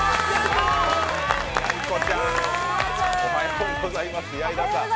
やいこちゃん、おはようございます。